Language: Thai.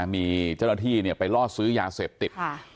มีเจ้าหน้าที่ไปล่อซื้อยาเสพติด